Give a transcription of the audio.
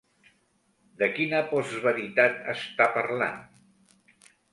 De quina postveritat està parlant?